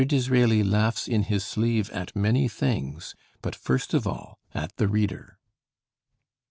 Disraeli laughs in his sleeve at many things, but first of all at the reader.